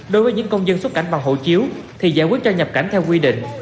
đối với những công dân xuất cảnh bằng hộ chiếu thì giải quyết cho nhập cảnh theo quy định